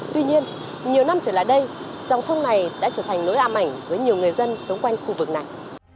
tuy nhiên nhiều năm trở lại đây dòng sông này đã trở thành nỗi ám ảnh với nhiều người dân sống quanh khu vực này